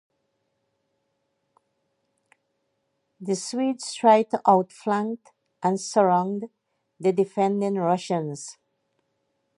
The Swedes tried to outflank and surround the defending Russians.